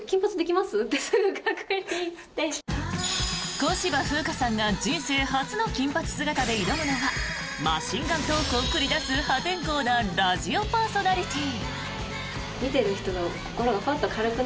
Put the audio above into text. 小芝風花さんが人生初の金髪姿で挑むのはマシンガントークを繰り出す破天荒なラジオパーソナリティー。